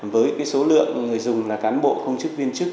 với số lượng người dùng là cán bộ công chức viên chức